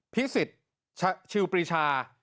พิศิษฐ์ชิลปริชา